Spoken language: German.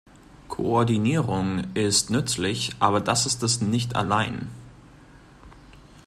Koordinierung ist nützlich, aber das ist es nicht allein.